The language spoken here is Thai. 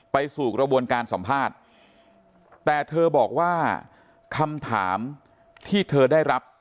ไปสู่กระบวนการสัมภาษณ์แต่เธอบอกว่าคำถามที่เธอได้รับ